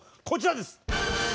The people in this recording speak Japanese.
こちらです！